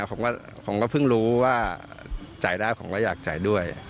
ผมก็เพิ่งรู้ว่าจ่ายได้ผมก็อยากจ่ายด้วย